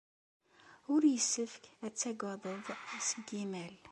Ur yessefk ad tagaded seg yimal.